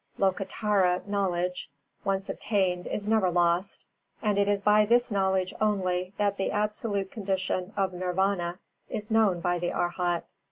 Lokottara knowledge once obtained is never lost, and it is by this knowledge only that the absolute condition of Nirvāna is known by the Arhat.